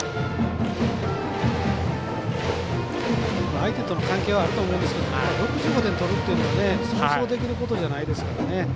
相手との関係はあると思うんですけど６５点取るっていうのは早々できることじゃないですからね。